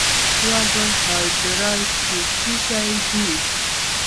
کاربوهایډریټ څه شی دی؟